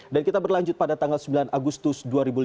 dan kita berlanjut pada tanggal sembilan agustus dua ribu lima